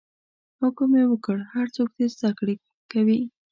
حکم یې وکړ هر څوک دې زده کړه کوي.